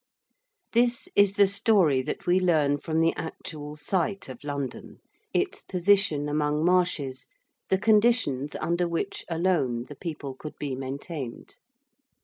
This is the story that we learn from the actual site of London its position among marshes, the conditions under which alone the people could be maintained.